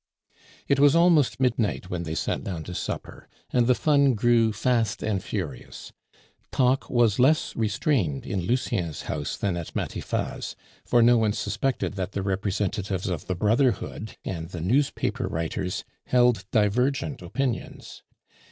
It was almost midnight when they sat down to supper, and the fun grew fast and furious. Talk was less restrained in Lucien's house than at Matifat's, for no one suspected that the representatives of the brotherhood and the newspaper writers held divergent opinions.